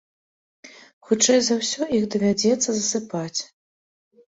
Хутчэй за ўсё, іх давядзецца засыпаць.